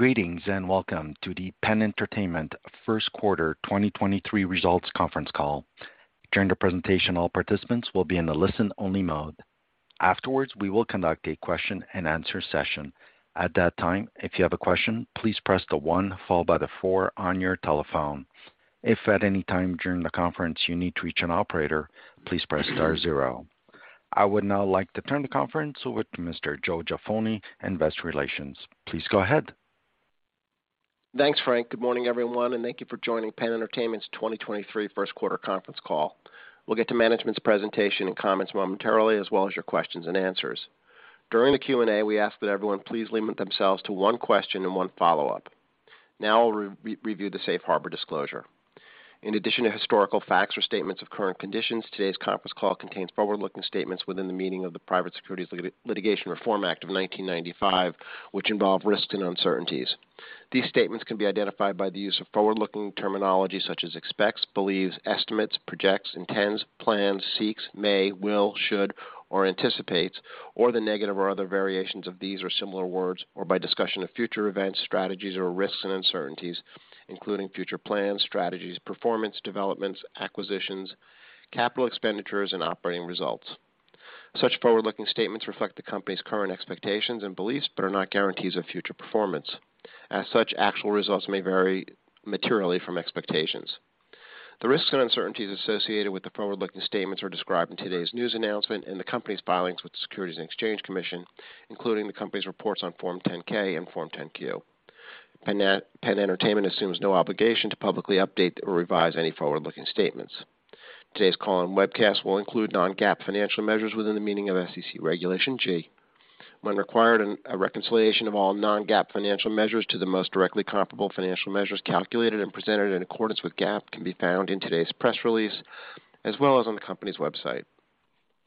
Greetings, welcome to the PENN Entertainment First Quarter 2023 Results Conference Call. During the presentation, all participants will be in the listen-only mode. Afterwards, we will conduct a question-and-answer session. At that time, if you have a question, please press the one followed by the four on your telephone. If at any time during the conference you need to reach an operator, please press star zero. I would now like to turn the conference over to Mr. Joe Jaffoni, Investor Relations. Please go ahead. Thanks, Frank. Good morning, everyone, and thank you for joining PENN Entertainment's 2023 First Quarter Conference Call. We'll get to management's presentation and comments momentarily, as well as your questions and answers. During the Q&A, we ask that everyone please limit themselves to one question and one follow-up. Now I'll re-review the safe harbor disclosure. In addition to historical facts or statements of current conditions, today's conference call contains forward-looking statements within the meaning of the Private Securities Litigation Reform Act of 1995, which involve risks and uncertainties. These statements can be identified by the use of forward-looking terminology such as expects, believes, estimates, projects, intends, plans, seeks, may, will, should, or anticipates, or the negative or other variations of these or similar words, or by discussion of future events, strategies, or risks and uncertainties, including future plans, strategies, performance, developments, acquisitions, capital expenditures, and operating results. Such forward-looking statements reflect the company's current expectations and beliefs but are not guarantees of future performance. As such, actual results may vary materially from expectations. The risks and uncertainties associated with the forward-looking statements are described in today's news announcement in the company's filings with the Securities and Exchange Commission, including the company's reports on Form 10-K and Form 10-Q. That PENN Entertainment assumes no obligation to publicly update or revise any forward-looking statements. Today's call and webcast will include non-GAAP financial measures within the meaning of SEC Regulation G. When required, a reconciliation of all non-GAAP financial measures to the most directly comparable financial measures calculated and presented in accordance with GAAP can be found in today's press release, as well as on the company's website.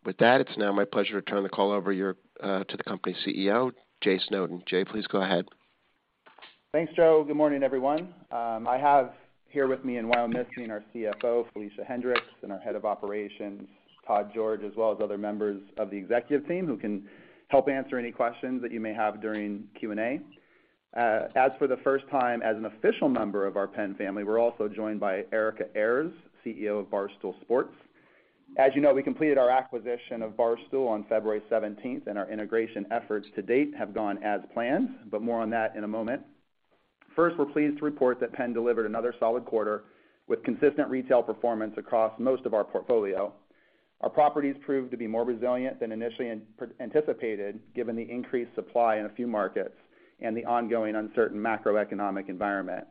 With that, it's now my pleasure to turn the call over to your to the company's CEO, Jay Snowden. Jay, please go ahead. Thanks, Joe. Good morning, everyone. I have here with me and while missing our CFO, Felicia Hendrix, and our Head of Operations, Todd George, as well as other members of the executive team who can help answer any questions that you may have during Q&A. As for the first time as an official member of our PENN family, we're also joined by Erika Ayers, CEO of Barstool Sports. As you know, we completed our acquisition of Barstool on February 17th, and our integration efforts to date have gone as planned. More on that in a moment. First, we're pleased to report that PENN delivered another solid quarter with consistent retail performance across most of our portfolio. Our properties proved to be more resilient than initially anticipated, given the increased supply in a few markets and the ongoing uncertain macroeconomic environment.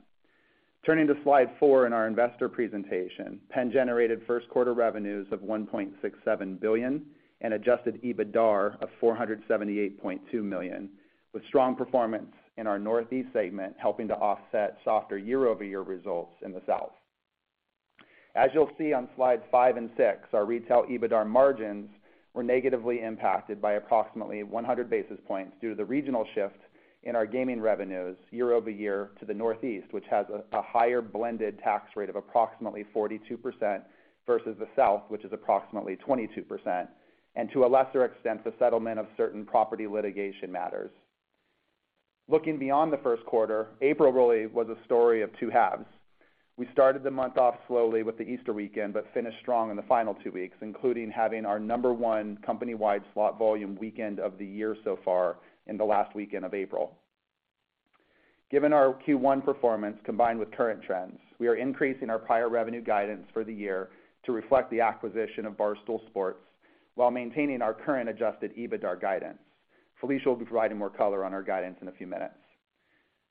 Turning to slide four in our investor presentation, PENN generated first quarter revenues of $1.67 billion and adjusted EBITDAR of $478.2 million, with strong performance in our Northeast segment, helping to offset softer year-over-year results in the South. As you'll see on slides five and six, our retail EBITDAR margins were negatively impacted by approximately 100 basis points due to the regional shift in our gaming revenues year-over-year to the Northeast, which has a higher blended tax rate of approximately 42% versus the South, which is approximately 22%. To a lesser extent, the settlement of certain property litigation matters. Looking beyond the first quarter, April really was a story of two halves. We started the month off slowly with the Easter weekend but finished strong in the final two weeks, including having our number one company-wide slot volume weekend of the year so far in the last weekend of April. Given our Q1 performance combined with current trends, we are increasing our prior revenue guidance for the year to reflect the acquisition of Barstool Sports while maintaining our current adjusted EBITDAR guidance. Felicia will be providing more color on our guidance in a few minutes.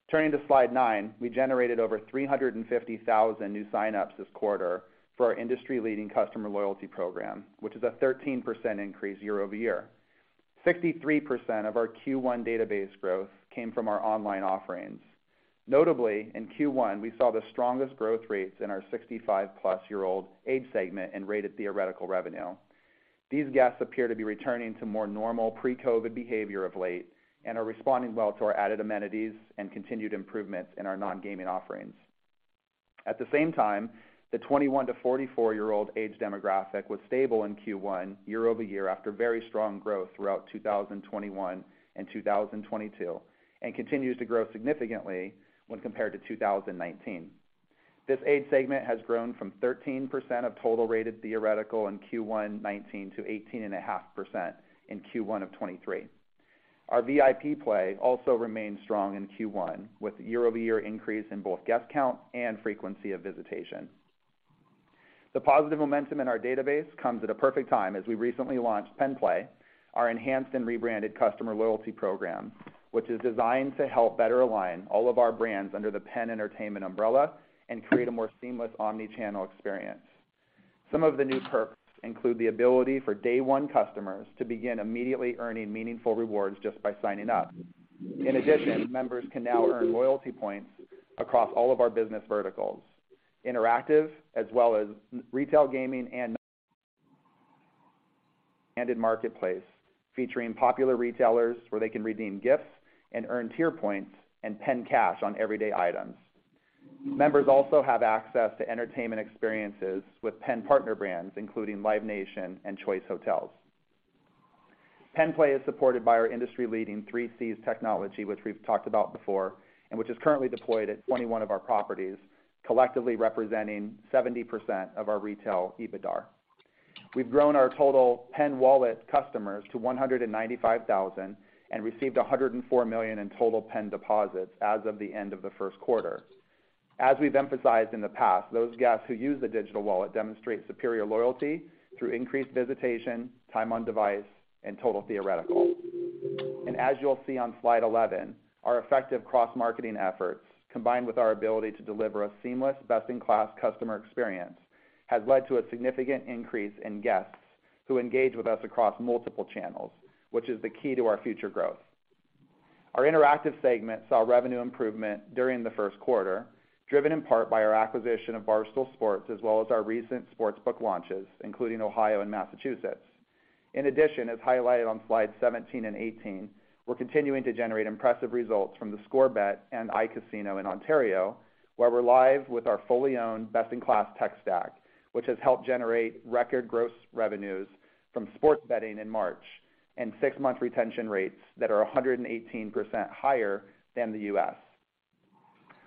Turning to slide nine, we generated over 350,000 new sign-ups this quarter for our industry-leading customer loyalty program, which is a 13% increase year-over-year. 63% of our Q1 database growth came from our online offerings. Notably, in Q1, we saw the strongest growth rates in our 65+ year-old age segment and rated theoretical revenue. These guests appear to be returning to more normal pre-COVID behavior of late and are responding well to our added amenities and continued improvements in our non-gaming offerings. At the same time, the 21- to 44-year-old age demographic was stable in Q1 year-over-year after very strong growth throughout 2021 and 2022 and continues to grow significantly when compared to 2019. This age segment has grown from 13% of total rated theoretical in Q1 2019 to 18.5% in Q1 2023. Our VIP play also remains strong in Q1, with year-over-year increase in both guest count and frequency of visitation. The positive momentum in our database comes at a perfect time as we recently launched PENN Play, our enhanced and rebranded customer loyalty program, which is designed to help better align all of our brands under the PENN Entertainment umbrella and create a more seamless omni-channel experience. Some of the new perks include the ability for day-one customers to begin immediately earning meaningful rewards just by signing up. In addition, members can now earn loyalty points across all of our business verticals, interactive as well as retail gaming and marketplace, featuring popular retailers where they can redeem gifts and earn tier points and PENN Cash on everyday items. Members also have access to entertainment experiences with PENN partner brands, including Live Nation and Choice Hotels. PENN Play is supported by our industry leading 3Cs technology, which we've talked about before, and which is currently deployed at 21 of our properties, collectively representing 70% of our retail EBITDAR. We've grown our total PENN Wallet customers to 195,000 and received $104 million in total PENN deposits as of the end of the first quarter. As we've emphasized in the past, those guests who use the digital wallet demonstrate superior loyalty through increased visitation, time on device, and total theoretical. As you'll see on slide 11, our effective cross-marketing efforts, combined with our ability to deliver a seamless, best-in-class customer experience, has led to a significant increase in guests who engage with us across multiple channels, which is the key to our future growth. Our interactive segment saw revenue improvement during the first quarter, driven in part by our acquisition of Barstool Sports, as well as our recent sports book launches, including Ohio and Massachusetts. In addition, as highlighted on slide 17 and 18, we're continuing to generate impressive results from theScore Bet and iCasino in Ontario, where we're live with our fully owned, best-in-class tech stack, which has helped generate record gross revenues from sports betting in March and six-month retention rates that are 118% higher than the U.S.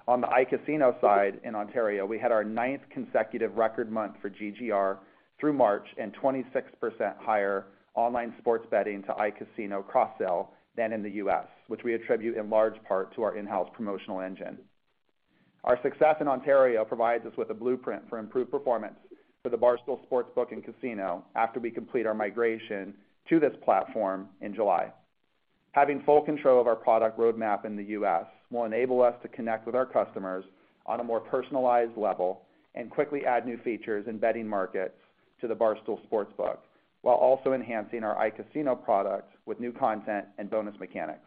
On the iCasino side in Ontario, we had our 9th consecutive record month for GGR through March and 26% higher online sports betting to iCasino cross-sell than in the U.S., which we attribute in large part to our in-house promotional engine. Our success in Ontario provides us with a blueprint for improved performance for the Barstool Sportsbook and casino after we complete our migration to this platform in July. Having full control of our product roadmap in the U.S. will enable us to connect with our customers on a more personalized level and quickly add new features and betting markets to the Barstool Sportsbook while also enhancing our iCasino products with new content and bonus mechanics.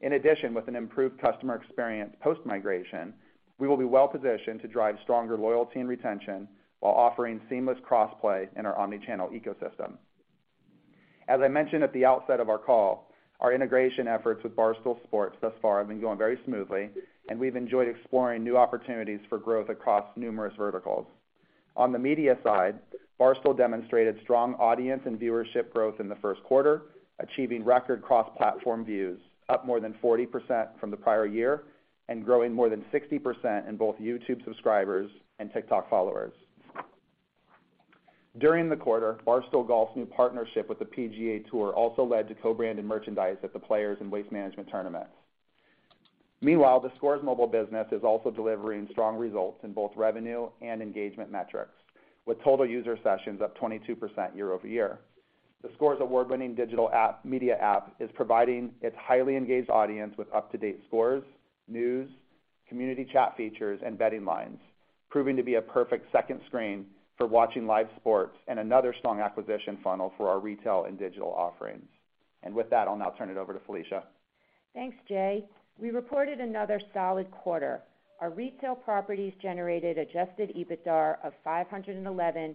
In addition, with an improved customer experience post-migration, we will be well positioned to drive stronger loyalty and retention while offering seamless cross-play in our omni-channel ecosystem. As I mentioned at the outset of our call, our integration efforts with Barstool Sports thus far have been going very smoothly. We've enjoyed exploring new opportunities for growth across numerous verticals. On the media side, Barstool demonstrated strong audience and viewership growth in the first quarter, achieving record cross-platform views, up more than 40% from the prior year and growing more than 60% in both YouTube subscribers and TikTok followers. During the quarter, Barstool Golf's new partnership with the PGA Tour also led to co-branded merchandise at The Players and Waste Management tournaments. Meanwhile, theScore Mobile business is also delivering strong results in both revenue and engagement metrics, with total user sessions up 22% year-over-year. theScore's award-winning digital media app is providing its highly engaged audience with up-to-date scores, news, community chat features, and betting lines, proving to be a perfect second screen for watching live sports and another strong acquisition funnel for our retail and digital offerings. With that, I'll now turn it over to Felicia. Thanks, Jay. We reported another solid quarter. Our retail properties generated adjusted EBITDAR of $511.2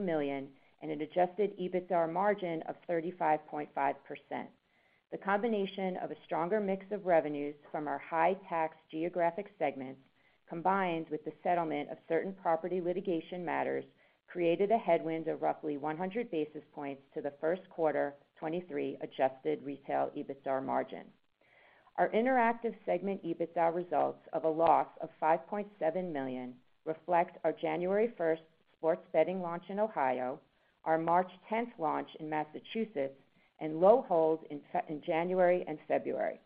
million and an adjusted EBITDAR margin of 35.5%. The combination of a stronger mix of revenues from our high tax geographic segments, combined with the settlement of certain property litigation matters, created a headwind of roughly 100 basis points to the first quarter 2023 adjusted retail EBITDAR margin. Our interactive segment EBITDAR results of a loss of $5.7 million reflects our January 1st sports betting launch in Ohio, our March 10th launch in Massachusetts, and low holds in January and February.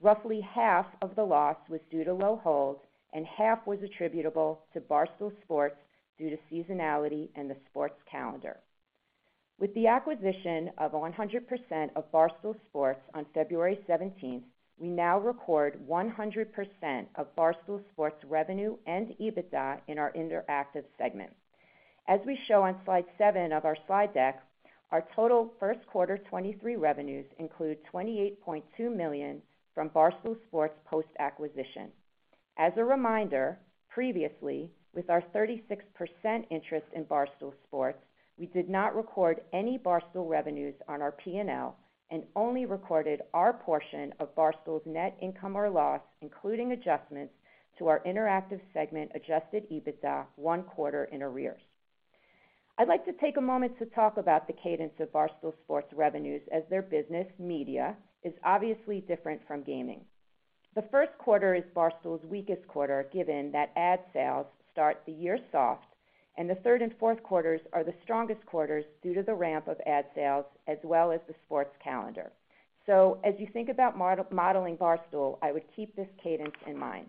Roughly half of the loss was due to low holds, and half was attributable to Barstool Sports due to seasonality and the sports calendar. With the acquisition of 100% of Barstool Sports on February 17th, we now record 100% of Barstool Sports revenue and EBITDA in our interactive segment. As we show on slide seven of our slide deck, our total first quarter 2023 revenues include $28.2 million from Barstool Sports post-acquisition. As a reminder, previously, with our 36% interest in Barstool Sports, we did not record any Barstool revenues on our P&L and only recorded our portion of Barstool's net income or loss, including adjustments to our interactive segment adjusted EBITDA one quarter in arrears. I'd like to take a moment to talk about the cadence of Barstool Sports revenues as their business, media, is obviously different from gaming. The first quarter is Barstool's weakest quarter, given that ad sales start the year soft, and the third and fourth quarters are the strongest quarters due to the ramp of ad sales as well as the sports calendar. As you think about mode-modeling Barstool, I would keep this cadence in mind.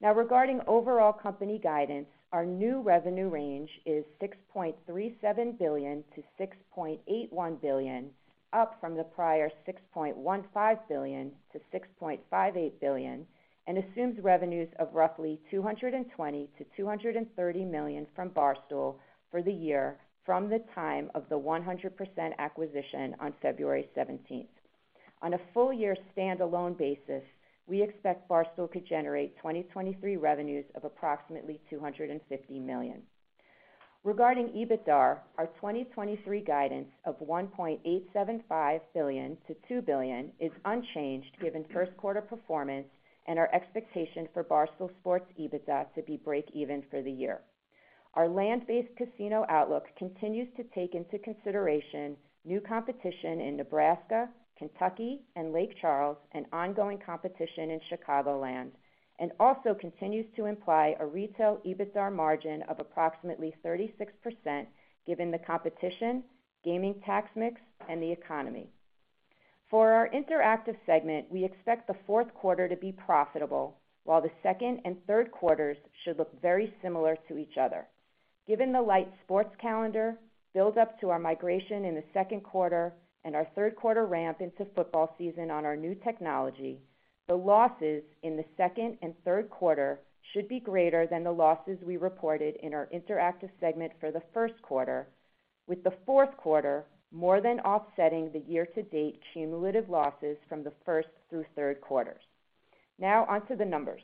Regarding overall company guidance, our new revenue range is $6.37 billion-$6.81 billion, up from the prior $6.15 billion-$6.58 billion, and assumes revenues of roughly $220 million-$230 million from Barstool for the year from the time of the 100% acquisition on February 17th. On a full-year standalone basis, we expect Barstool to generate 2023 revenues of approximately $250 million. Regarding EBITDAR, our 2023 guidance of $1.875 billion-$2 billion is unchanged given first quarter performance and our expectation for Barstool Sports EBITDA to be break even for the year. Our land-based casino outlook continues to take into consideration new competition in Nebraska, Kentucky, and Lake Charles, and ongoing competition in Chicagoland, and also continues to imply a retail EBITDAR margin of approximately 36% given the competition, gaming tax mix, and the economy. For our interactive segment, we expect the fourth quarter to be profitable, while the second and third quarters should look very similar to each other. Given the light sports calendar, build up to our migration in the second quarter, and our third quarter ramp into football season on our new technology, the losses in the second and third quarter should be greater than the losses we reported in our interactive segment for the first quarter, with the fourth quarter more than offsetting the year-to-date cumulative losses from the first through third quarters. On to the numbers.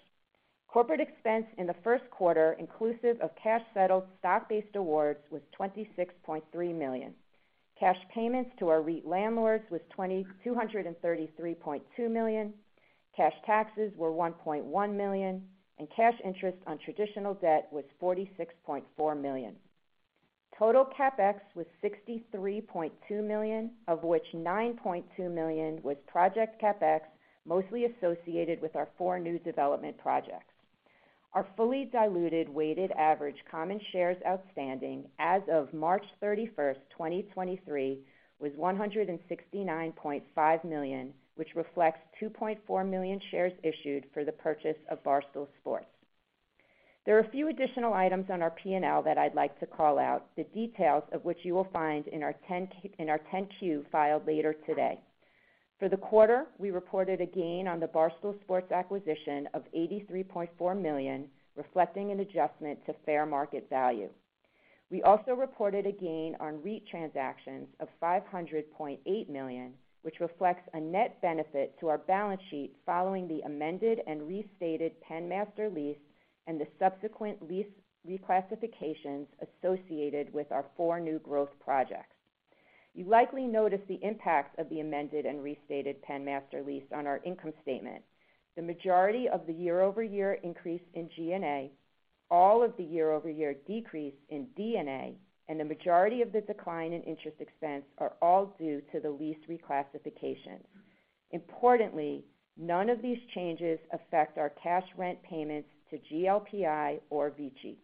Corporate expense in the first quarter, inclusive of cash-settled stock-based awards, was $26.3 million. Cash payments to our REIT landlords was $233.2 million. Cash taxes were $1.1 million. Cash interest on traditional debt was $46.4 million. Total CapEx was $63.2 million, of which $9.2 million was project CapEx, mostly associated with our four new development projects. Our fully diluted weighted average common shares outstanding as of March 31st, 2023, was $169.5 million, which reflects 2.4 million shares issued for the purchase of Barstool Sports. There are a few additional items on our P&L that I'd like to call out, the details of which you will find in our 10-Q filed later today. For the quarter, we reported a gain on the Barstool Sports acquisition of $83.4 million, reflecting an adjustment to fair market value. We also reported a gain on REIT transactions of $500.8 million, which reflects a net benefit to our balance sheet following the amended and restated PENN master lease and the subsequent lease reclassifications associated with our four new growth projects. You likely noticed the impact of the amended and restated PENN master lease on our income statement. The majority of the year-over-year increase in G&A, all of the year-over-year decrease in D&A, and the majority of the decline in interest expense are all due to the lease reclassification. Importantly, none of these changes affect our cash rent payments to GLPI or VICI.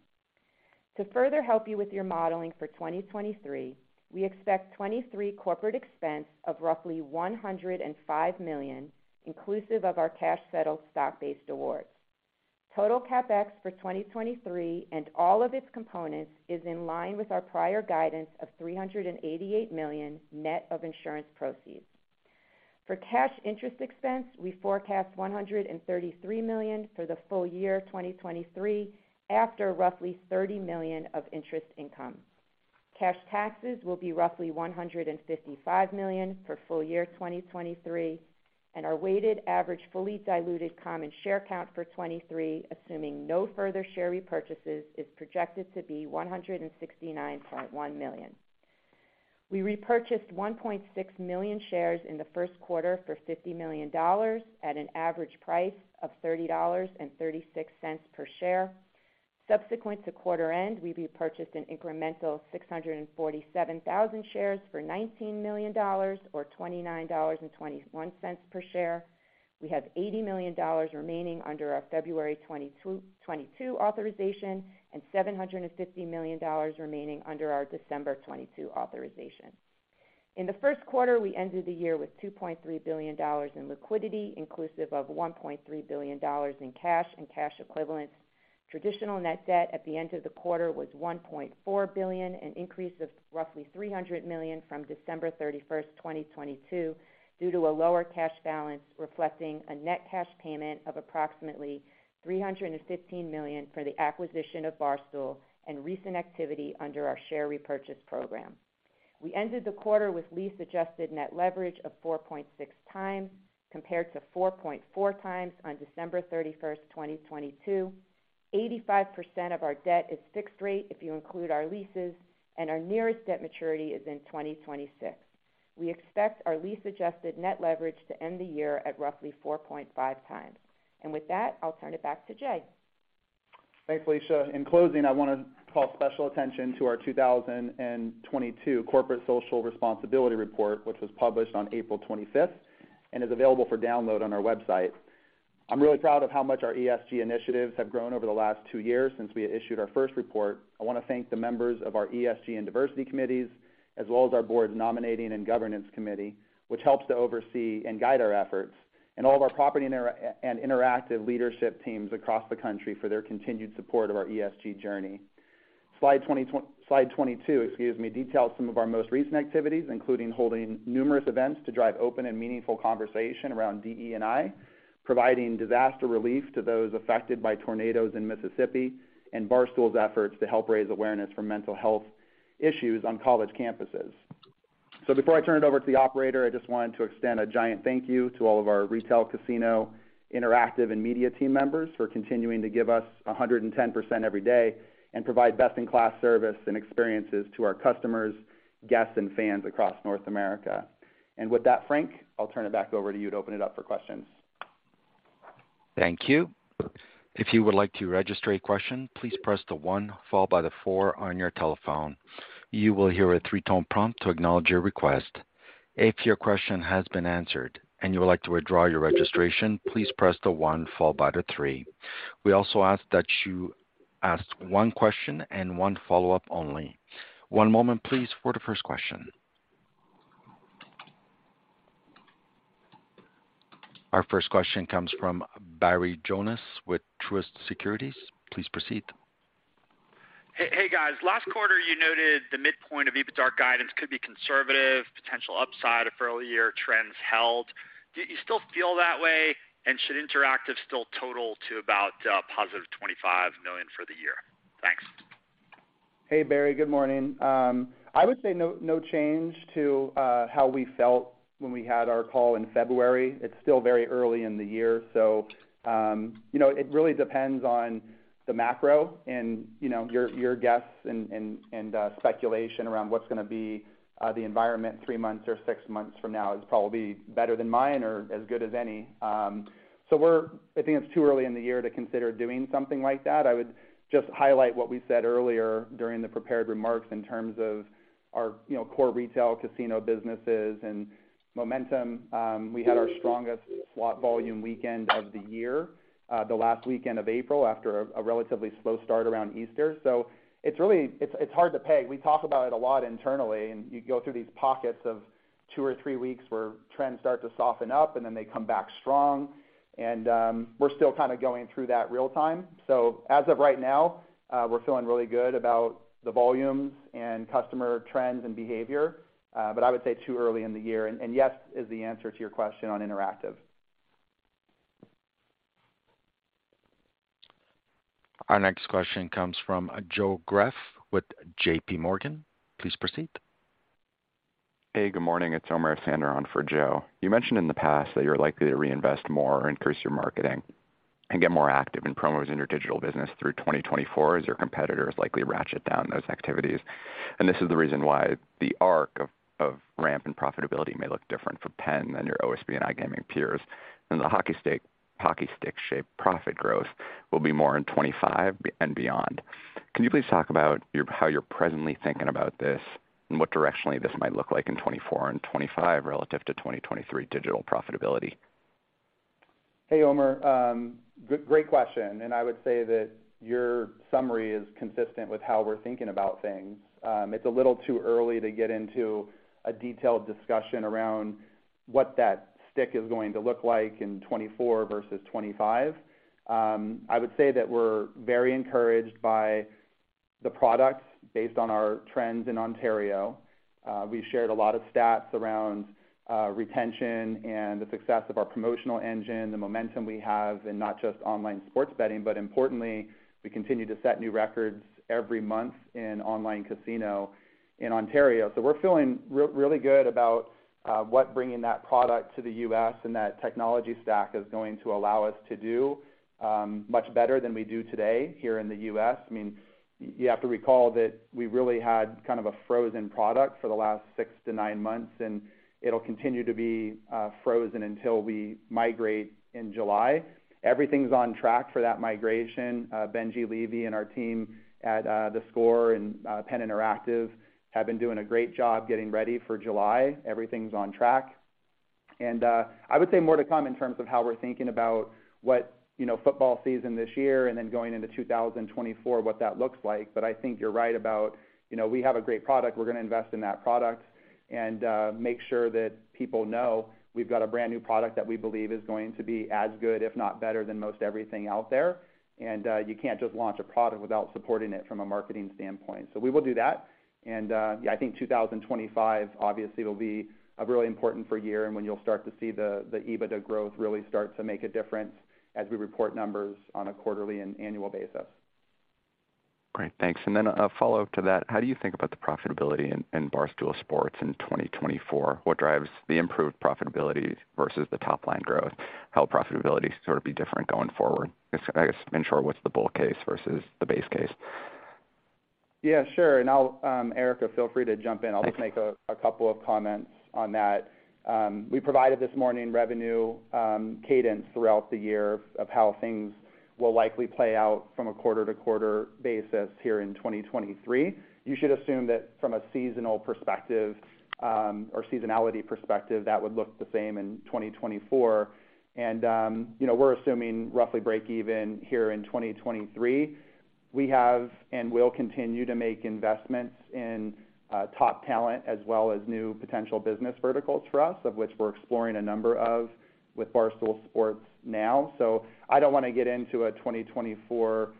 To further help you with your modeling for 2023, we expect 2023 corporate expense of roughly $105 million, inclusive of our cash-settled stock-based awards. Total CapEx for 2023 and all of its components is in line with our prior guidance of $388 million, net of insurance proceeds. For cash interest expense, we forecast $133 million for the full year 2023, after roughly $30 million of interest income. Cash taxes will be roughly $155 million for full year 2023, and our weighted average fully diluted common share count for 2023, assuming no further share repurchases, is projected to be $169.1 million. We repurchased 1.6 million shares in the first quarter for $50 million at an average price of $30.36 per share. Subsequent to quarter end, we repurchased an incremental 647,000 shares for $19 million or $29.21 per share. We have $80 million remaining under our February 2022 authorization, and $750 million remaining under our December 2022 authorization. In the first quarter, we ended the year with $2.3 billion in liquidity, inclusive of $1.3 billion in cash and cash equivalents. Traditional net debt at the end of the quarter was $1.4 billion, an increase of roughly $300 million from December 31st, 2022, due to a lower cash balance reflecting a net cash payment of approximately $315 million for the acquisition of Barstool and recent activity under our share repurchase program. We ended the quarter with lease-adjusted net leverage of 4.6x, compared to 4.4x on December 31st, 2022. 85% of our debt is fixed rate if you include our leases, and our nearest debt maturity is in 2026. We expect our lease-adjusted net leverage to end the year at roughly 4.5x. With that, I'll turn it back to Jay. Thanks, Felicia. In closing, I want to call special attention to our 2022 corporate social responsibility report, which was published on April 25th and is available for download on our website. I'm really proud of how much our ESG initiatives have grown over the last two years since we issued our first report. I want to thank the members of our ESG and diversity committees, as well as our board's nominating and governance committee, which helps to oversee and guide our efforts, and all of our property and interactive leadership teams across the country for their continued support of our ESG journey. Slide 22, excuse me, details some of our most recent activities, including holding numerous events to drive open and meaningful conversation around DE&I, providing disaster relief to those affected by tornadoes in Mississippi, and Barstool Sports' efforts to help raise awareness for mental health issues on college campuses. Before I turn it over to the operator, I just wanted to extend a giant thank you to all of our retail, casino, interactive, and media team members for continuing to give us 110% every day and provide best-in-class service and experiences to our customers, guests, and fans across North America. With that, Frank, I'll turn it back over to you to open it up for questions. Thank you. If you would like to register a question, please press the one followed by the four on your telephone. You will hear a three-tone prompt to acknowledge your request. If your question has been answered and you would like to withdraw your registration, please press the one followed by the three. We also ask that you ask one question and one follow-up only. One moment, please, for the first question. Our first question comes from Barry Jonas with Truist Securities. Please proceed. Hey, guys. Last quarter, you noted the midpoint of EBITDAR guidance could be conservative, potential upside if early year trends held. Do you still feel that way? Should Interactive still total to about positive $25 million for the year? Thanks. Hey, Barry. Good morning. I would say no change to how we felt when we had our call in February. It's still very early in the year. You know, it really depends on the macro and, you know, your guests and speculation around what's gonna be the environment three months or six months from now. It's probably better than mine or as good as any. I think it's too early in the year to consider doing something like that. I would just highlight what we said earlier during the prepared remarks in terms of our, you know, core retail casino businesses and momentum. We had our strongest slot volume weekend of the year, the last weekend of April after a relatively slow start around Easter. It's hard to pay. We talk about it a lot internally, you go through these pockets of two or three weeks where trends start to soften up, and then they come back strong. We're still kinda going through that real time. As of right now, we're feeling really good about the volumes and customer trends and behavior, but I would say too early in the year. Yes is the answer to your question on interactive. Our next question comes from Joe Greff with J.P. Morgan. Please proceed. Hey, good morning. It's Omer Sander on for Joe Greff. You mentioned in the past that you're likely to reinvest more or increase your marketing and get more active in promos in your digital business through 2024 as your competitors likely ratchet down those activities. This is the reason why the arc of ramp and profitability may look different for PENN than your OSB and iGaming peers, and the hockey stick shape profit growth will be more in 2025 and beyond. Can you please talk about how you're presently thinking about this and what directionally this might look like in 2024 and 2025 relative to 2023 digital profitability? Hey, Omer. Great question. I would say that your summary is consistent with how we're thinking about things. It's a little too early to get into a detailed discussion around what that stick is going to look like in 2024 versus 2025. I would say that we're very encouraged by the products based on our trends in Ontario. We've shared a lot of stats around retention and the success of our promotional engine, the momentum we have in not just online sports betting, but importantly, we continue to set new records every month in online casino in Ontario. We're feeling really good about what bringing that product to the U.S. and that technology stack is going to allow us to do much better than we do today here in the U.S. I mean, you have to recall that we really had kind of a frozen product for the last six to nine months, and it'll continue to be frozen until we migrate in July. Everything's on track for that migration. Benjie Levy and our team at theScore and Penn Interactive have been doing a great job getting ready for July. Everything's on track. I would say more to come in terms of how we're thinking about what, you know, football season this year and then going into 2024, what that looks like. I think you're right about, you know, we have a great product. We're gonna invest in that product and make sure that people know we've got a brand-new product that we believe is going to be as good, if not better, than most everything out there. You can't just launch a product without supporting it from a marketing standpoint. We will do that. Yeah, I think 2025, obviously, will be really important for a year and when you'll start to see the EBITDA growth really start to make a difference as we report numbers on a quarterly and annual basis. Great. Thanks. Then a follow-up to that: How do you think about the profitability in Barstool Sports in 2024? What drives the improved profitability versus the top line growth? How will profitability sort of be different going forward? I guess, in short, what's the bull case versus the base case? Yeah, sure. I'll, Erika, feel free to jump in. Okay. I'll just make a couple of comments on that. We provided this morning revenue cadence throughout the year of how things will likely play out from a quarter-to-quarter basis here in 2023. You should assume that from a seasonal perspective, or seasonality perspective, that would look the same in 2024. You know, we're assuming roughly break even here in 2023. We have and will continue to make investments in top talent as well as new potential business verticals for us, of which we're exploring a number of with Barstool Sports now. I don't wanna get into a 2024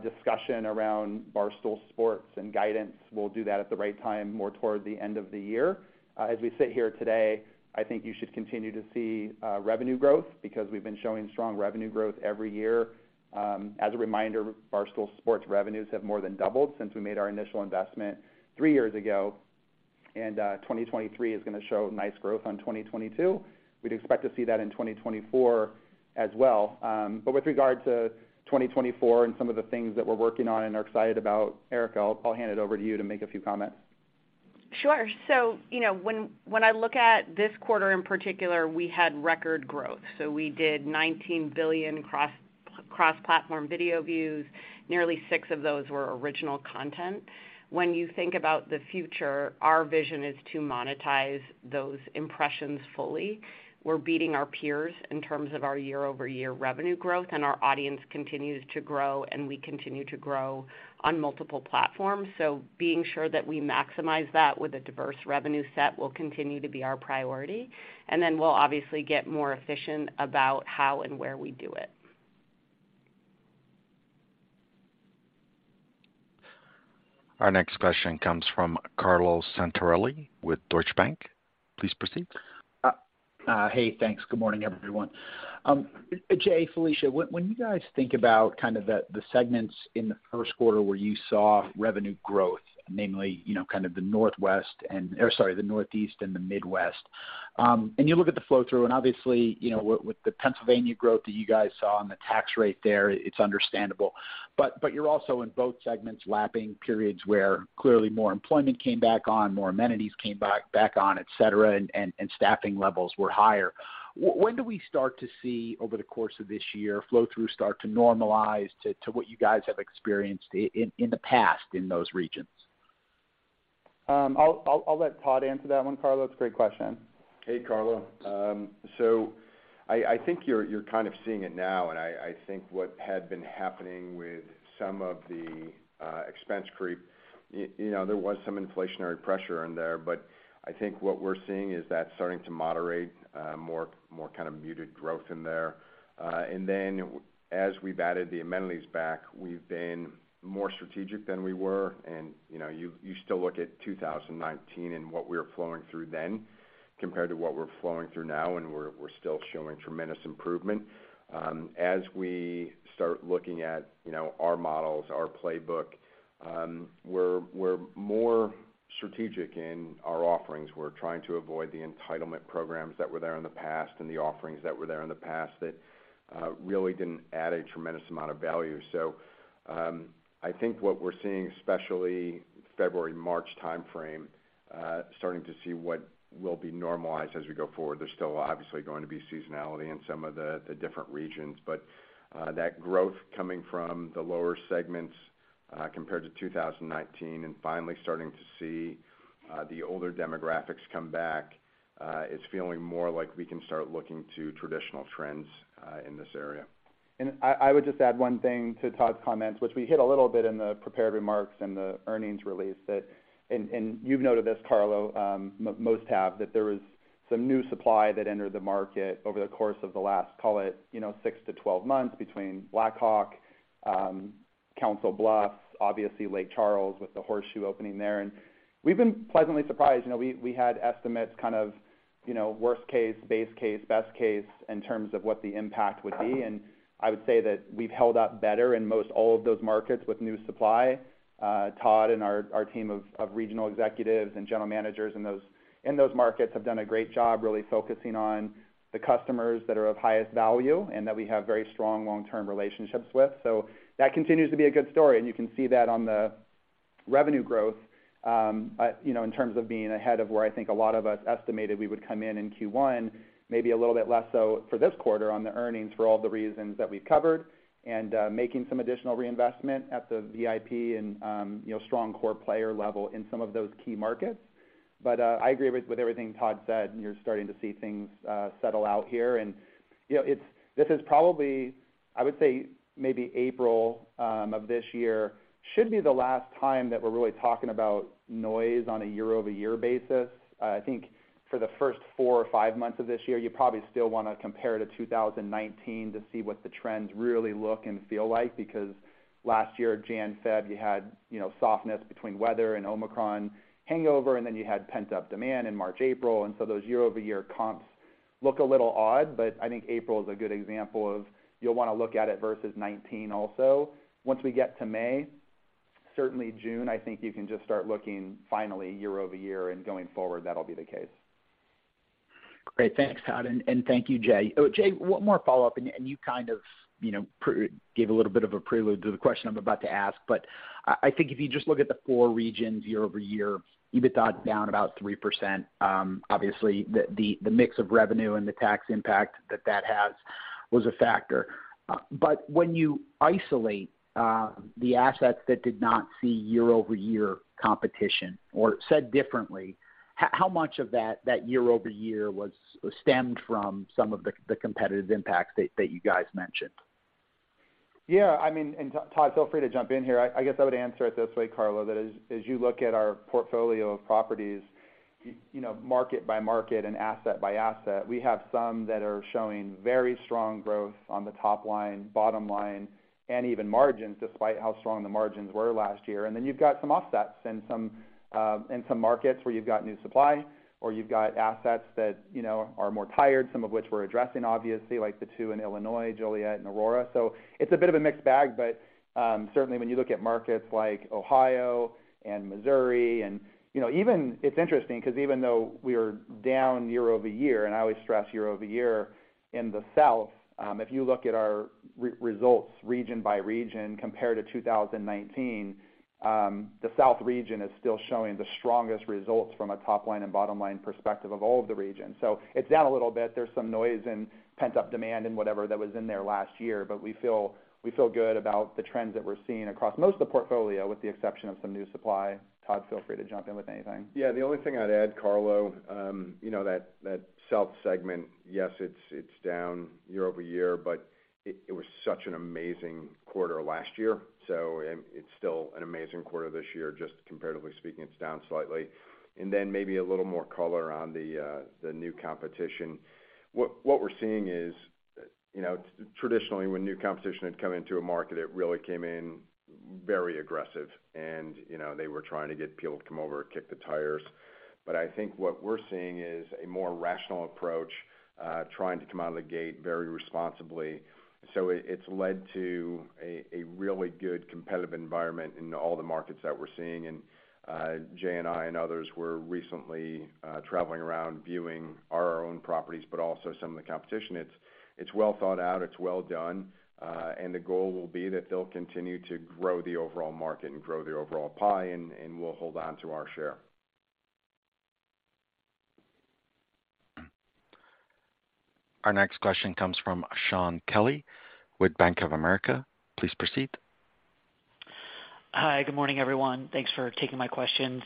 discussion around Barstool Sports and guidance. We'll do that at the right time, more toward the end of the year. As we sit here today, I think you should continue to see revenue growth because we've been showing strong revenue growth every year. As a reminder, Barstool Sports revenues have more than doubled since we made our initial investment three years ago. 2023 is gonna show nice growth on 2022. We'd expect to see that in 2024 as well. With regard to 2024 and some of the things that we're working on and are excited about, Erika, I'll hand it over to you to make a few comments. Sure. You know, when I look at this quarter in particular, we had record growth. We did $19 billion cross-platform video views. Nearly six of those were original content. When you think about the future, our vision is to monetize those impressions fully. We're beating our peers in terms of our year-over-year revenue growth, and our audience continues to grow, and we continue to grow on multiple platforms. Being sure that we maximize that with a diverse revenue set will continue to be our priority. Then we'll obviously get more efficient about how and where we do it. Our next question comes from Carlo Santarelli with Deutsche Bank. Please proceed. Hey, thanks. Good morning, everyone. Jay, Felicia, when you guys think about kind of the segments in the first quarter where you saw revenue growth, namely, you know, kind of the Northwest or sorry, the Northeast and the Midwest, and you look at the flow-through, and obviously, you know, with the Pennsylvania growth that you guys saw and the tax rate there, it's understandable. But you're also in both segments lapping periods where clearly more employment came back on, more amenities came back on, et cetera, and staffing levels were higher. When do we start to see over the course of this year, flow-through start to normalize to what you guys have experienced in the past in those regions? I'll let Todd answer that one, Carlo. It's a great question. Hey, Carlo. I think you're kind of seeing it now, and I think what had been happening with some of the expense creep, you know, there was some inflationary pressure in there, but I think what we're seeing is that starting to moderate, more kind of muted growth in there. As we've added the amenities back, we've been more strategic than we were. You know, you still look at 2019 and what we were flowing through then compared to what we're flowing through now, and we're still showing tremendous improvement. As we start looking at, you know, our models, our playbook, we're more strategic in our offerings. We're trying to avoid the entitlement programs that were there in the past and the offerings that were there in the past that really didn't add a tremendous amount of value. I think what we're seeing, especially February, March timeframe, starting to see what will be normalized as we go forward. There's still obviously going to be seasonality in some of the different regions, but that growth coming from the lower segments, compared to 2019 and finally starting to see the older demographics come back, it's feeling more like we can start looking to traditional trends in this area. I would just add 1 thing to Todd's comments, which we hit a little bit in the prepared remarks and the earnings release. You've noted this, Carlo, most have, that there was some new supply that entered the market over the course of the last, call it, you know, six to 12 months between Black Hawk, Council Bluffs, obviously Lake Charles with the Horseshoe opening there. We've been pleasantly surprised. You know, we had estimates kind of, you know, worst case, base case, best case in terms of what the impact would be, and I would say that we've held up better in most all of those markets with new supply. Todd and our team of regional executives and general managers in those markets have done a great job really focusing on the customers that are of highest value and that we have very strong long-term relationships with. That continues to be a good story. You can see that on the revenue growth, you know, in terms of being ahead of where I think a lot of us estimated we would come in Q1, maybe a little bit less so for this quarter on the earnings for all the reasons that we've covered, and making some additional reinvestment at the VIP and, you know, strong core player level in some of those key markets. I agree with everything Todd said, and you're starting to see things settle out here. You know, it's this is probably, I would say, maybe April of this year should be the last time that we're really talking about noise on a year-over-year basis. I think for the first four or five months of this year, you probably still wanna compare to 2019 to see what the trends really look and feel like, because last year, January, February, you had, you know, softness between weather and Omicron hangover, and then you had pent-up demand in March, April. Those year-over-year comps look a little odd, but I think April is a good example of you'll wanna look at it versus 2019 also. Once we get to May, certainly June, I think you can just start looking finally year-over-year, and going forward that'll be the case. Great. Thanks, Todd, and thank you, Jay. Oh, Jay, one more follow-up, and you kind of, you know, gave a little bit of a prelude to the question I'm about to ask. I think if you just look at the four regions year-over-year, EBITDA is down about 3%. Obviously the mix of revenue and the tax impact that has was a factor. When you isolate the assets that did not see year-over-year competition, or said differently, how much of that year-over-year stemmed from some of the competitive impacts that you guys mentioned? I mean, Todd, feel free to jump in here. I guess I would answer it this way, Carlo, that as you look at our portfolio of properties. You know, market by market and asset by asset, we have some that are showing very strong growth on the top line, bottom line, and even margins, despite how strong the margins were last year. Then you've got some offsets in some in some markets where you've got new supply or you've got assets that you know are more tired, some of which we're addressing, obviously, like the two in Illinois, Joliet and Aurora. It's a bit of a mixed bag, but certainly when you look at markets like Ohio and Missouri and, you know, even... It's interesting because even though we are down year-over-year, and I always stress year-over-year in the South, if you look at our results region by region compared to 2019, the South region is still showing the strongest results from a top line and bottom line perspective of all of the regions. It's down a little bit. There's some noise and pent-up demand and whatever that was in there last year. We feel good about the trends that we're seeing across most of the portfolio, with the exception of some new supply. Todd, feel free to jump in with anything. The only thing I'd add, Carlo, you know that south segment, yes, it's down year-over-year, but it was such an amazing quarter last year, and it's still an amazing quarter this year. Just comparatively speaking, it's down slightly. Maybe a little more color on the new competition. What we're seeing is, you know, traditionally, when new competition had come into a market, it really came in very aggressive and, you know, they were trying to get people to come over and kick the tires. I think what we're seeing is a more rational approach, trying to come out of the gate very responsibly. It's led to a really good competitive environment in all the markets that we're seeing. Jay and I and others were recently traveling around viewing our own properties, but also some of the competition. It's well thought out, it's well done, and the goal will be that they'll continue to grow the overall market and grow the overall pie, and we'll hold on to our share. Our next question comes from Shaun Kelley with Bank of America. Please proceed. Hi. Good morning, everyone. Thanks for taking my questions.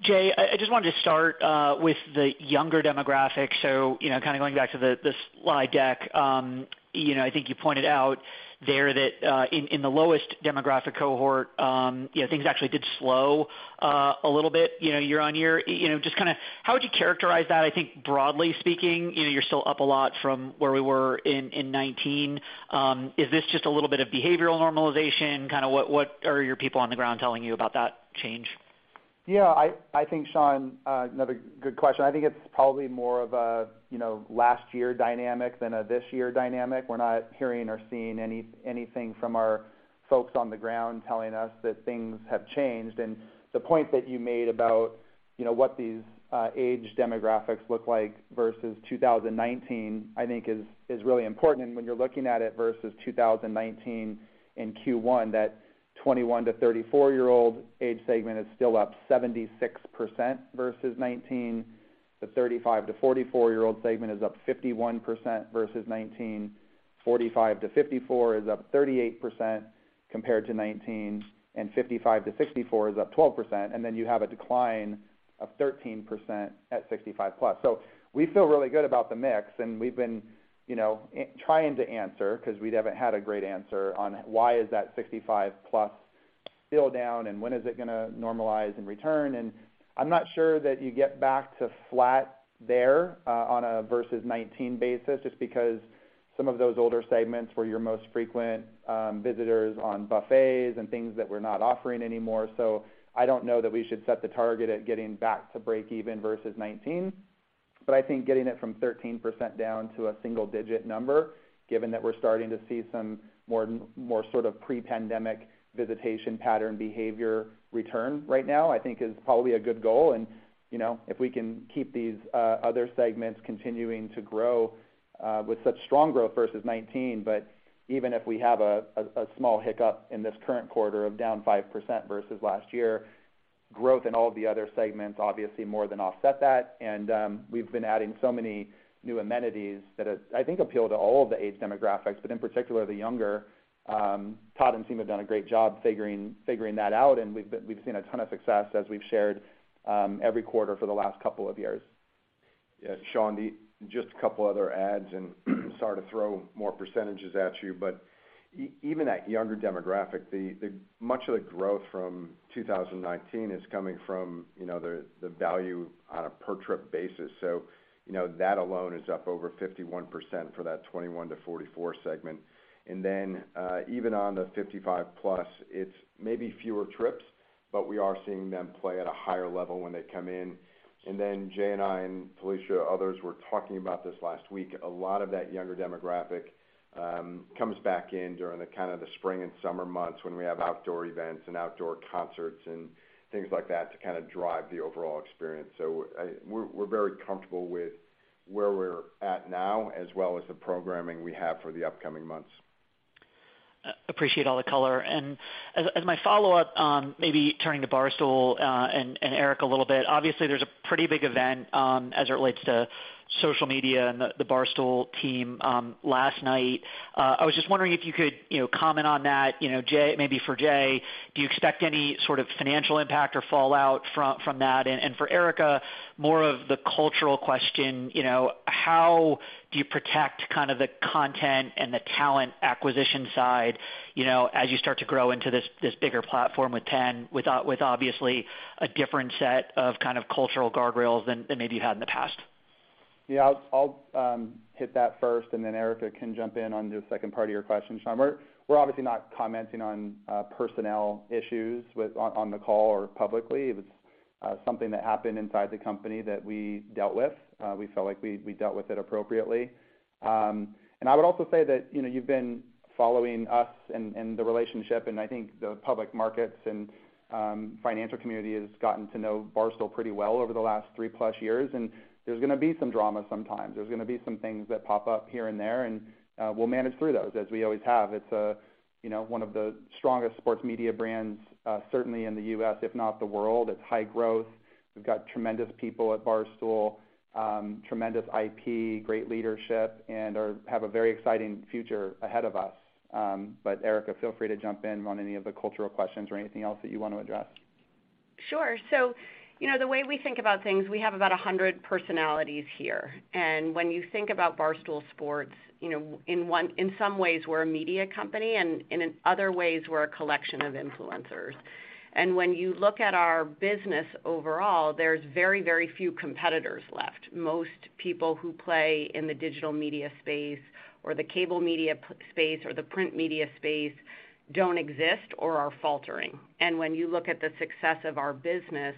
Jay, I just wanted to start with the younger demographic. You know, kind of going back to the slide deck, you know, I think you pointed out there that in the lowest demographic cohort, you know, things actually did slow a little bit, you know, year-on-year. You know, just kinda how would you characterize that? I think broadly speaking, you know, you're still up a lot from where we were in 2019. Is this just a little bit of behavioral normalization? Kinda what are your people on the ground telling you about that change? Yeah, I think, Shaun, another good question. I think it's probably more of a, you know, last year dynamic than a this year dynamic. We're not hearing or seeing anything from our folks on the ground telling us that things have changed. The point that you made about, you know, what these age demographics look like versus 2019, I think is really important. When you're looking at it versus 2019 in Q1, that 21- to 34-year-old age segment is still up 76% versus 2019. The 35- to 44-year-old segment is up 51% versus 2019. 45-54 is up 38% compared to 2019. 55-64 is up 12%. Then you have a decline of 13% at 65+. We feel really good about the mix, and we've been, you know, trying to answer because we haven't had a great answer on why is that 65+ still down, and when is it gonna normalize and return. I'm not sure that you get back to flat there, on a versus 19 basis, just because some of those older segments were your most frequent visitors on buffets and things that we're not offering anymore. I don't know that we should set the target at getting back to break even versus 19. I think getting it from 13% down to a single digit number, given that we're starting to see some more sort of pre-pandemic visitation pattern behavior return right now, I think is probably a good goal. You know, if we can keep these other segments continuing to grow with such strong growth versus 19, even if we have a small hiccup in this current quarter of down 5% versus last year, growth in all the other segments obviously more than offset that. We've been adding so many new amenities that I think appeal to all of the age demographics, but in particular the younger. Todd and team have done a great job figuring that out, and we've seen a ton of success, as we've shared every quarter for the last couple of years. Yeah, Shaun, just a couple other adds. Sorry to throw more percentages at you, but even at younger demographic, the much of the growth from 2019 is coming from, you know, the value on a per trip basis. You know, that alone is up over 51% for that 21-44 segment. Then even on the 55+, it's maybe fewer trips, but we are seeing them play at a higher level when they come in. Then Jay and I and Felicia, others were talking about this last week. A lot of that younger demographic comes back in during the kind of the spring and summer months when we have outdoor events and outdoor concerts and things like that to kind of drive the overall experience. We're very comfortable with where we're at now as well as the programming we have for the upcoming months. Appreciate all the color. As my follow-up, maybe turning to Barstool and Erika a little bit, obviously there's a pretty big event as it relates to social media and the Barstool team last night. I was just wondering if you could, you know, comment on that. You know, Jay, maybe for Jay, do you expect any sort of financial impact or fallout from that? For Erika, more of the cultural question, you know, how do you protect kind of the content and the talent acquisition side, you know, as you start to grow into this bigger platform with 10, with obviously a different set of kind of cultural guardrails than maybe you had in the past? Yeah, I'll hit that first, and then Erika can jump in on the second part of your question, Shaun. We're obviously not commenting on personnel issues on the call or publicly. It was something that happened inside the company that we dealt with. We felt like we dealt with it appropriately. I would also say that, you know, you've been following us and the relationship, and I think the public markets and financial community has gotten to know Barstool pretty well over the last three plus years. There's gonna be some drama sometimes. There's gonna be some things that pop up here and there. We'll manage through those as we always have. It's, you know, one of the strongest sports media brands, certainly in the U.S., if not the world. It's high growth. We've got tremendous people at Barstool, tremendous IP, great leadership, have a very exciting future ahead of us. Erika, feel free to jump in on any of the cultural questions or anything else that you want to address. Sure. You know, the way we think about things, we have about 100 personalities here. When you think about Barstool Sports, you know, in some ways, we're a media company, and in other ways, we're a collection of influencers. When you look at our business overall, there's very few competitors left. Most people who play in the digital media space or the cable media space or the print media space don't exist or are faltering. When you look at the success of our business,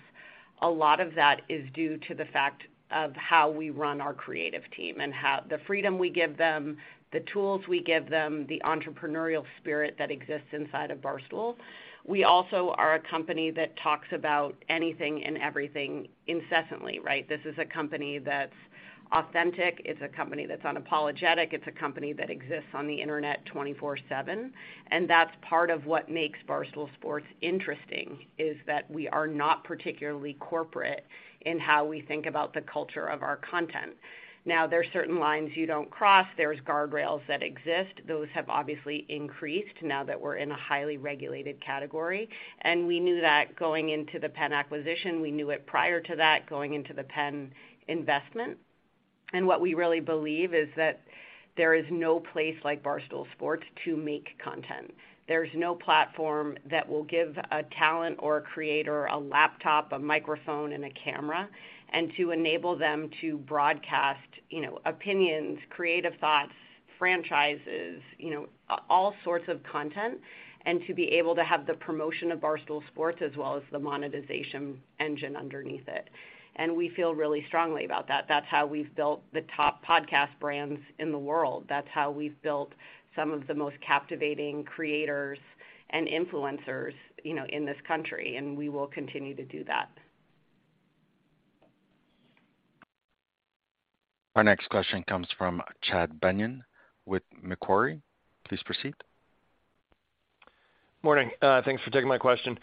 a lot of that is due to the fact of how we run our creative team and the freedom we give them, the tools we give them, the entrepreneurial spirit that exists inside of Barstool. We also are a company that talks about anything and everything incessantly, right? This is a company that's authentic. It's a company that's unapologetic. It's a company that exists on the Internet 24/7. That's part of what makes Barstool Sports interesting, is that we are not particularly corporate in how we think about the culture of our content. Now, there are certain lines you don't cross. There's guardrails that exist. Those have obviously increased now that we're in a highly regulated category, and we knew that going into the PENN acquisition. We knew it prior to that, going into the PENN investment. What we really believe is that there is no place like Barstool Sports to make content. There's no platform that will give a talent or a creator a laptop, a microphone, and a camera, and to enable them to broadcast, you know, opinions, creative thoughts, franchises, you know, all sorts of content, and to be able to have the promotion of Barstool Sports, as well as the monetization engine underneath it. We feel really strongly about that. That's how we've built the top podcast brands in the world. That's how we've built some of the most captivating creators and influencers, you know, in this country. We will continue to do that. Our next question comes from Chad Beynon with Macquarie. Please proceed. Morning. Thanks for taking my question.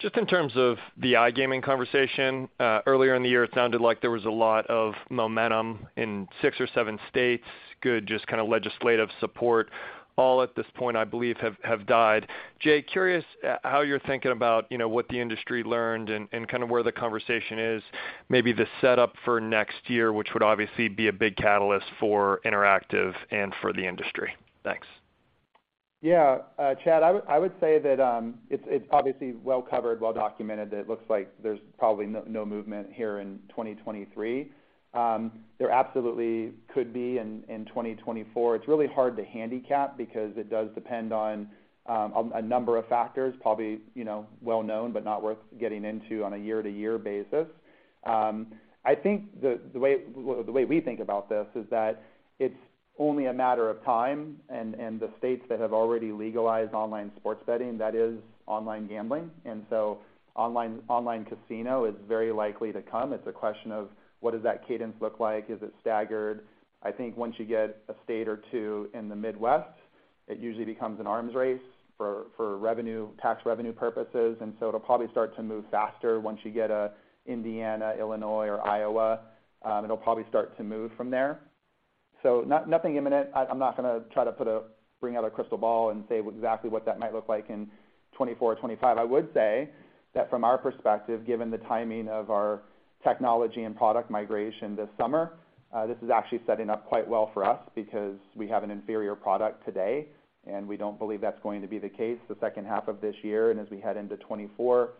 Just in terms of the iGaming conversation, earlier in the year, it sounded like there was a lot of momentum in six or seven states. Good, just kinda legislative support. All at this point, I believe, have died. Jay, curious how you're thinking about, you know, what the industry learned and kinda where the conversation is, maybe the setup for next year, which would obviously be a big catalyst for Interactive and for the industry. Thanks. Yeah. Chad, I would say that it's obviously well covered, well documented, that it looks like there's probably no movement here in 2023. There absolutely could be in 2024. It's really hard to handicap because it does depend on a number of factors, probably, you know, well known, but not worth getting into on a year-to-year basis. I think the way we think about this is that it's only a matter of time and the states that have already legalized online sports betting, that is iGaming. Online iCasino is very likely to come. It's a question of what does that cadence look like? Is it staggered? I think once you get a state or two in the Midwest, it usually becomes an arms race for revenue, tax revenue purposes, it'll probably start to move faster once you get a Indiana, Illinois or Iowa. It'll probably start to move from there. Nothing imminent. I'm not gonna try to bring out a crystal ball and say exactly what that might look like in 2024 or 2025. I would say that from our perspective, given the timing of our technology and product migration this summer, this is actually setting up quite well for us because we have an inferior product today. We don't believe that's going to be the case the second half of this year. As we head into 2024,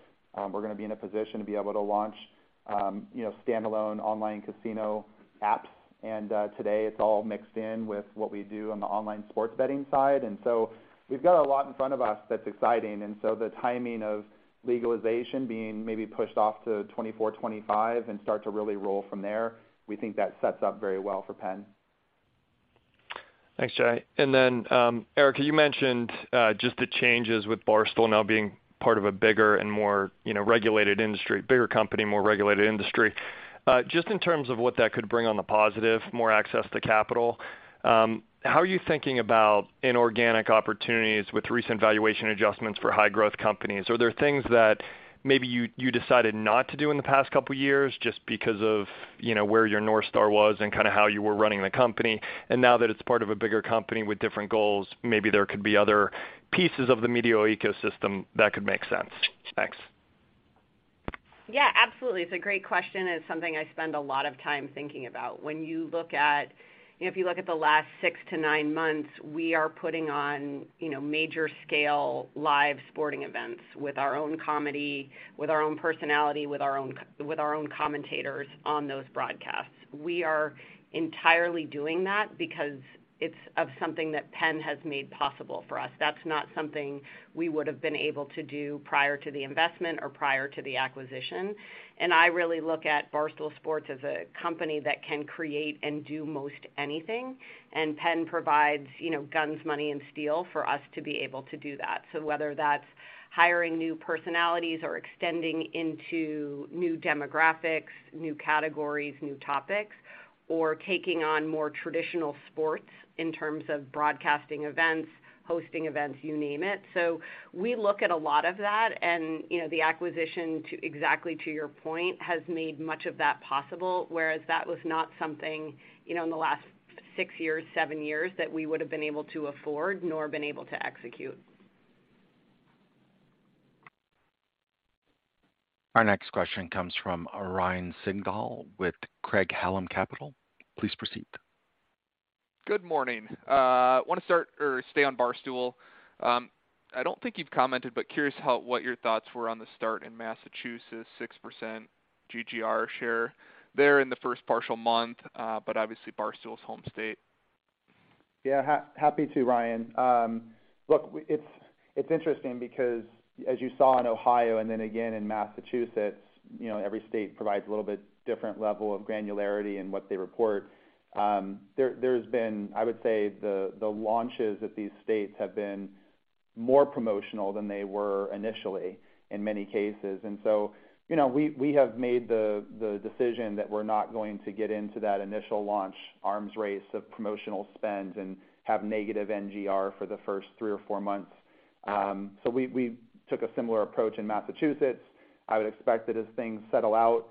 we're gonna be in a position to be able to launch, you know, standalone online casino apps. Today it's all mixed in with what we do on the online sports betting side. We've got a lot in front of us that's exciting. The timing of legalization being maybe pushed off to 2024-2025 and start to really roll from there, we think that sets up very well for PENN. Thanks, Jay. Erika, you mentioned just the changes with Barstool now being part of a bigger and more, you know, regulated industry, bigger company, more regulated industry. Just in terms of what that could bring on the positive, more access to capital, how are you thinking about inorganic opportunities with recent valuation adjustments for high growth companies? Are there things that maybe you decided not to do in the past couple years just because of, you know, where your North Star was and kinda how you were running the company, and now that it's part of a bigger company with different goals, maybe there could be other pieces of the media ecosystem that could make sense? Thanks. Yeah, absolutely. It's a great question, and it's something I spend a lot of time thinking about. When you look at, you know, if you look at the last six to nine months, we are putting on, you know, major scale live sporting events with our own comedy, with our own personality, with our own commentators on those broadcasts. We are entirely doing that because it's of something that PENN has made possible for us. That's not something we would have been able to do prior to the investment or prior to the acquisition. I really look at Barstool Sports as a company that can create and do most anything, and PENN provides, you know, guns, money, and steel for us to be able to do that. Whether that's hiring new personalities or extending into new demographics, new categories, new topics, or taking on more traditional sports in terms of broadcasting events, hosting events, you name it. We look at a lot of that and, you know, the acquisition exactly to your point, has made much of that possible, whereas that was not something, you know, in the last six years, seven years, that we would have been able to afford nor been able to execute. Our next question comes from Ryan Sigdahl with Craig-Hallum Capital. Please proceed. Good morning. wanna start or stay on Barstool. I don't think you've commented, but curious what your thoughts were on the start in Massachusetts, 6% GGR share there in the first partial month, but obviously Barstool's home state. Yeah, happy to, Ryan. Look, it's interesting because as you saw in Ohio and then again in Massachusetts, you know, every state provides a little bit different level of granularity in what they report. There's been, I would say, the launches at these states have been more promotional than they were initially in many cases. You know, we have made the decision that we're not going to get into that initial launch arms race of promotional spend and have negative NGR for the first three or four months. We took a similar approach in Massachusetts. I would expect that as things settle out,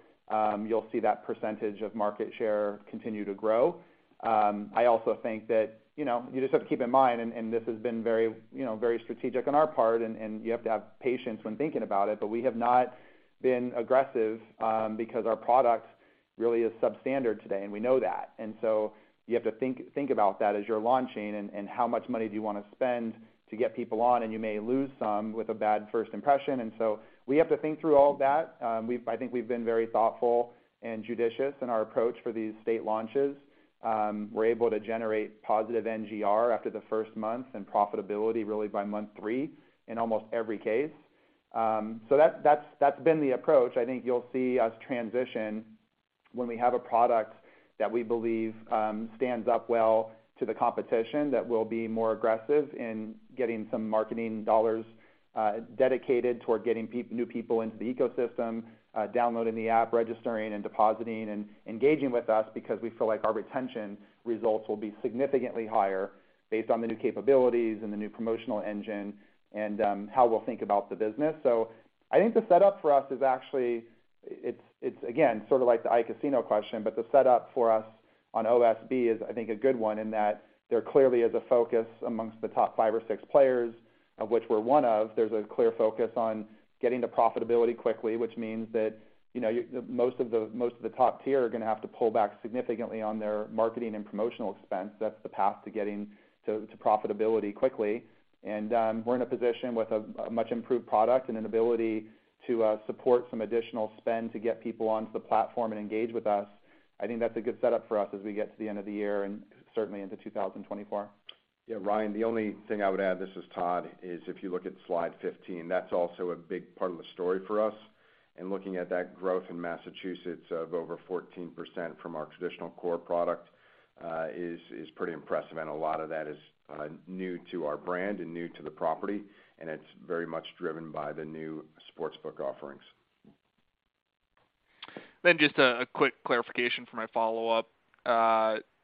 you'll see that percentage of market share continue to grow. I also think that, you know, you just have to keep in mind, and this has been very, you know, very strategic on our part, and you have to have patience when thinking about it, but we have not been aggressive, because our product really is substandard today, and we know that. You have to think about that as you're launching and how much money do you wanna spend to get people on, and you may lose some with a bad first impression. We have to think through all of that. I think we've been very thoughtful and judicious in our approach for these state launches. We're able to generate positive NGR after the first month and profitability really by month three in almost every case. So that's been the approach. I think you'll see us transition when we have a product that we believe stands up well to the competition that we'll be more aggressive in getting some marketing dollars dedicated toward getting new people into the ecosystem, downloading the app, registering and depositing and engaging with us because we feel like our retention results will be significantly higher based on the new capabilities and the new promotional engine and how we'll think about the business. I think the setup for us is actually... It's again, sort of like the iCasino question, but the setup for us on OSB is, I think, a good one in that there clearly is a focus amongst the top five or six players, of which we're one of, there's a clear focus on getting to profitability quickly, which means that, you know, most of the, most of the top tier are gonna have to pull back significantly on their marketing and promotional expense. That's the path to getting to profitability quickly. We're in a position with a much improved product and an ability to support some additional spend to get people onto the platform and engage with us. I think that's a good setup for us as we get to the end of the year and certainly into 2024. Yeah, Ryan Sigdahl, the only thing I would add, this is Todd George, is if you look at slide 15, that's also a big part of the story for us. Looking at that growth in Massachusetts of over 14% from our traditional core product, is pretty impressive. A lot of that is new to our brand and new to the property, and it's very much driven by the new Sportsbook offerings. Just a quick clarification for my follow-up.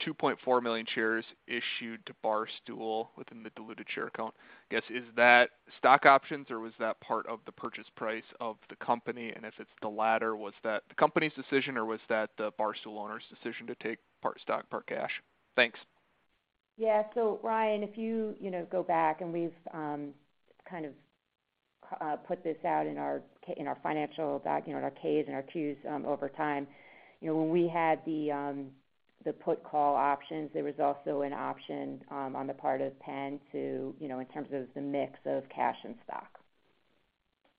2.4 million shares issued to Barstool within the diluted share count. Guess, is that stock options or was that part of the purchase price of the company? If it's the latter, was that the company's decision or was that the Barstool owner's decision to take part stock, part cash? Thanks. Yeah. Ryan, if you know, go back and we've, kind of, put this out in our financial doc, you know, in our K's and our Q's, over time. You know, when we had the put call options, there was also an option, on the part of PENN to, you know, in terms of the mix of cash and stock.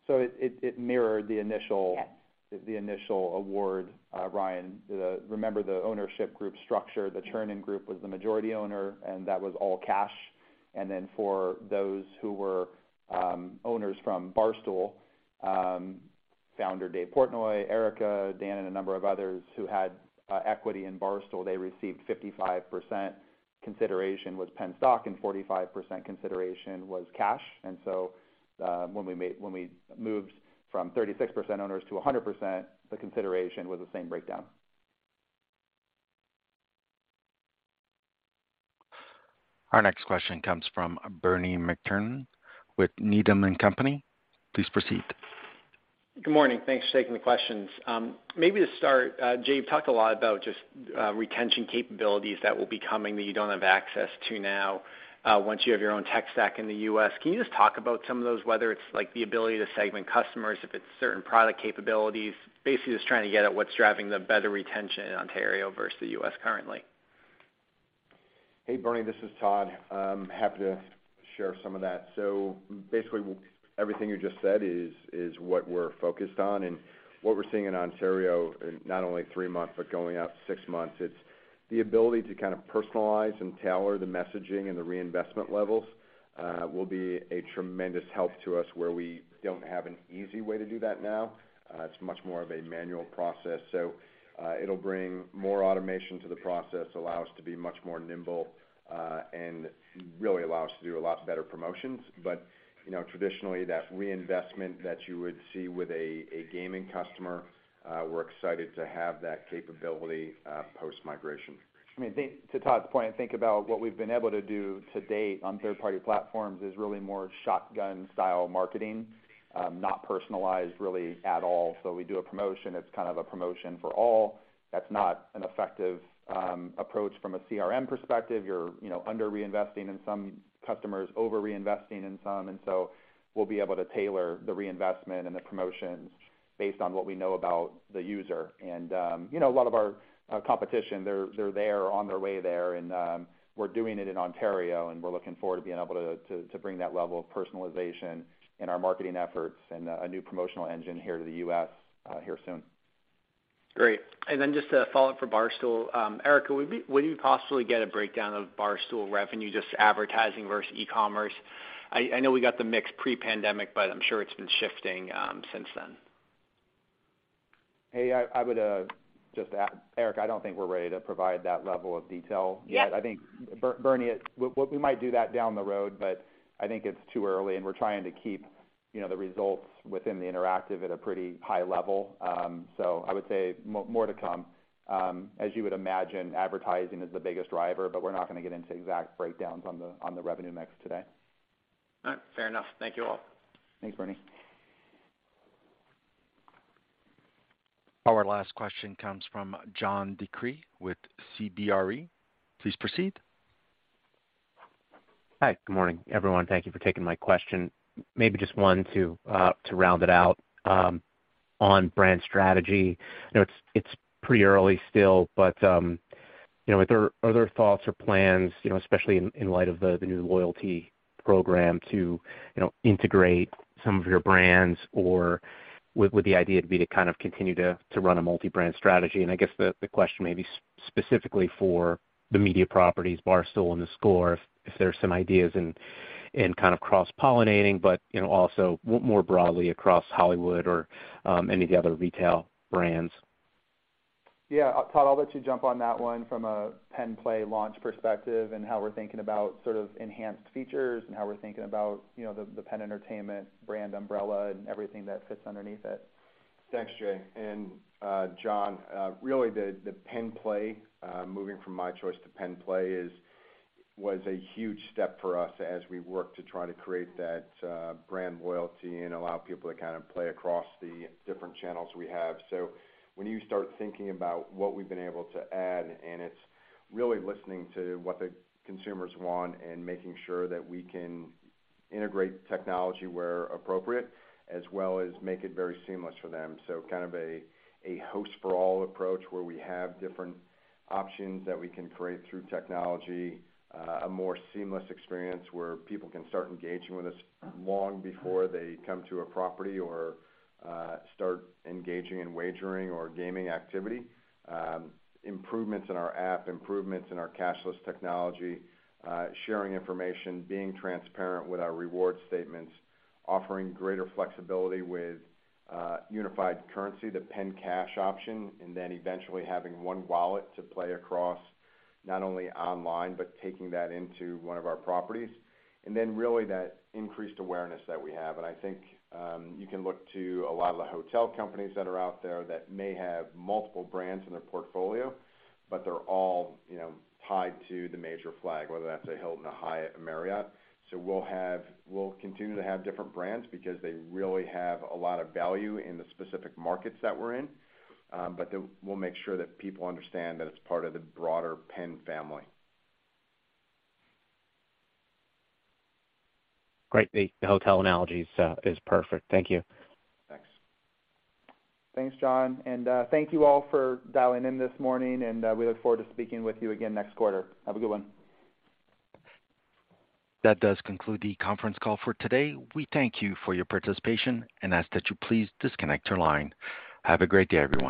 it mirrored the initial- Yes. The initial award, Ryan. Remember the ownership group structure, the Chernin Group was the majority owner, and that was all cash. For those who were, owners from Barstool, founder Dave Portnoy, Erika, Dan, and a number of others who had equity in Barstool, they received 55% consideration was PENN stock and 45% consideration was cash. When we moved from 36% owners to 100%, the consideration was the same breakdown. Our next question comes from Bernie McTernan with Needham & Company. Please proceed. Good morning. Thanks for taking the questions. Maybe to start, Jay, you've talked a lot about just retention capabilities that will be coming that you don't have access to now, once you have your own tech stack in the U.S. Can you just talk about some of those, whether it's like the ability to segment customers, if it's certain product capabilities? Basically, just trying to get at what's driving the better retention in Ontario versus the U.S. currently. Hey, Bernie, this is Todd. I'm happy to share some of that. Basically, everything you just said is what we're focused on. What we're seeing in Ontario, not only three months but going out six months, it's the ability to kind of personalize and tailor the messaging and the reinvestment levels will be a tremendous help to us where we don't have an easy way to do that now. It's much more of a manual process. It'll bring more automation to the process, allow us to be much more nimble, and really allow us to do a lot better promotions. You know, traditionally, that reinvestment that you would see with a gaming customer, we're excited to have that capability post-migration. I mean, to Todd's point, think about what we've been able to do to date on third-party platforms is really more shotgun style marketing, not personalized really at all. We do a promotion, it's kind of a promotion for all. That's not an effective approach from a CRM perspective. You're, you know, under-reinvesting in some customers, over-reinvesting in some. We'll be able to tailor the reinvestment and the promotions based on what we know about the user. You know, a lot of our competition, they're there or on their way there, and we're doing it in Ontario, and we're looking forward to being able to bring that level of personalization in our marketing efforts and a new promotional engine here to the US here soon. Great. Just a follow-up for Barstool. Erika, would we possibly get a breakdown of Barstool revenue, just advertising versus e-commerce? I know we got the mix pre-pandemic, but I'm sure it's been shifting since then. Hey, I would just add, Erika, I don't think we're ready to provide that level of detail yet. Yeah. I think, Bernie, we might do that down the road. I think it's too early, and we're trying to keep, you know, the results within the Penn Interactive at a pretty high level. I would say more, more to come. As you would imagine, advertising is the biggest driver, but we're not gonna get into exact breakdowns on the, on the revenue mix today. All right, fair enough. Thank you all. Thanks, Bernie. Our last question comes from John DeCree with CBRE. Please proceed. Hi. Good morning, everyone. Thank you for taking my question. Maybe just one to round it out on brand strategy. I know it's pretty early still, but, you know, are there, are there thoughts or plans, you know, especially in light of the new loyalty program to, you know, integrate some of your brands or would the idea be to kind of continue to run a multi-brand strategy? I guess the question may be specifically for the media properties, Barstool and theScore, if there are some ideas in kind of cross-pollinating, but, you know, also more broadly across Hollywood or any of the other retail brands. Yeah. Todd, I'll let you jump on that one from a PENN Play launch perspective and how we're thinking about sort of enhanced features and how we're thinking about, you know, the PENN Entertainment brand umbrella and everything that fits underneath it. Thanks, Jay. John, really, the PENN Play, moving from mychoice to PENN Play was a huge step for us as we work to try to create that, brand loyalty and allow people to kind of play across the different channels we have. When you start thinking about what we've been able to add, and it's really listening to what the consumers want and making sure that we can integrate technology where appropriate, as well as make it very seamless for them. Kind of a host for all approach where we have different options that we can create through technology, a more seamless experience where people can start engaging with us long before they come to a property or, start engaging in wagering or gaming activity. Improvements in our app, improvements in our cashless technology, sharing information, being transparent with our reward statements, offering greater flexibility with unified currency, the PENN Cash option, and then eventually having one wallet to play across, not only online, but taking that into one of our properties. Really that increased awareness that we have. I think, you can look to a lot of the hotel companies that are out there that may have multiple brands in their portfolio, but they're all, you know, tied to the major flag, whether that's a Hilton, a Hyatt, a Marriott. We'll continue to have different brands because they really have a lot of value in the specific markets that we're in, but we'll make sure that people understand that it's part of the broader PENN family. Great. The hotel analogy is perfect. Thank you. Thanks. Thanks, John. Thank you all for dialing in this morning, and we look forward to speaking with you again next quarter. Have a good one. That does conclude the conference call for today. We thank you for your participation and ask that you please disconnect your line. Have a great day, everyone.